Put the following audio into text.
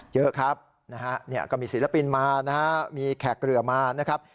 เยอะครับก็มีศิลปินมามีแขกเรือมานะครับ